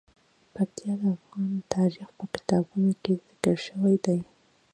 پکتیا د افغان تاریخ په کتابونو کې ذکر شوی دي.